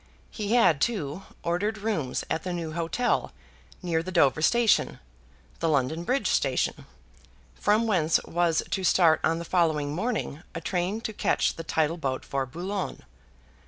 He had, too, ordered rooms at the new hotel near the Dover Station, the London Bridge Station, from whence was to start on the following morning a train to catch the tidal boat for Boulogne.